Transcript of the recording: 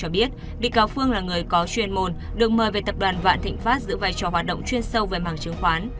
cho biết bị cáo phương là người có chuyên môn được mời về tập đoàn vạn thịnh pháp giữ vai trò hoạt động chuyên sâu về mảng chứng khoán